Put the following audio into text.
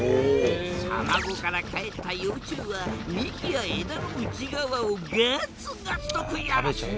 卵からかえった幼虫は幹や枝の内側をガツガツと食い荒らす。